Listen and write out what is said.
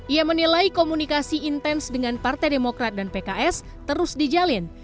ia menilai komunikasi intens dengan partai demokrat dan pks terus dijalin